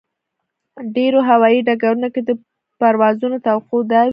ډېرو هوایي ډګرونو کې د پروازونو توقع دا وي.